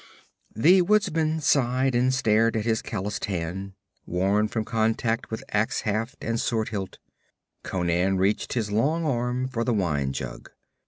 The woodsman sighed and stared at his calloused hand, worn from contact with ax haft and sword hilt. Conan reached his long arm for the wine jug.